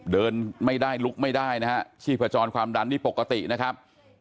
เดินไม่ได้ลุกไม่ได้นะฮะชีพจรความดันนี่ปกตินะครับ